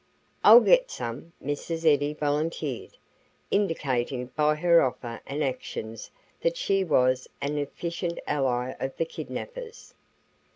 "I'll get some," "Mrs. Eddy" volunteered, indicating by her offer and actions that she was an efficient ally of the kidnappers.